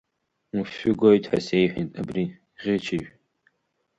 Уфҩы гоит ҳәа сеиҳәеит, абри ӷьычыжә…